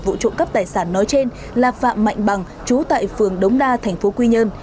vụ trộm cắp tài sản nói trên là phạm mạnh bằng chú tại phường đống đa thành phố quy nhơn